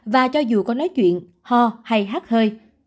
và cho dù có nói chuyện ho hay hát hơi